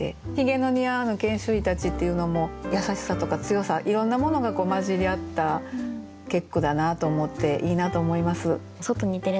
「髭の似合わぬ研修医たち」っていうのも優しさとか強さいろんなものが混じり合った結句だなと思っていいなと思います。